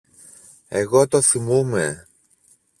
Εγώ το θυμούμαι!